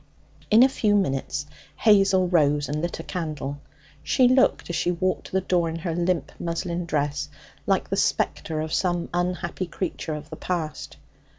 In a few minutes Hazel rose and lit a candle. She looked, as she walked to the door in her limp muslin dress, like the spectre of some unhappy creature of the past.